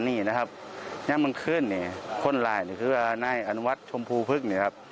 นี่นะครับแล้วมึงขึ้นนี่คนร้ายนี่คือว่านายอนุวัติชมพูพึกเนี่ยครับ